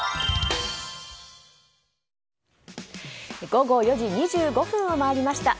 午後４時２５分を回りました。